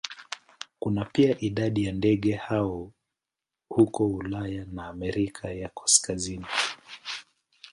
Kuna pia idadi ya ndege hao huko Ulaya na Amerika ya Kaskazini.